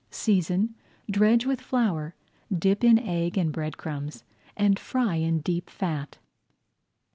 Season, dredge with flour, dip in egg and bread crumbs, and fry in deep fat.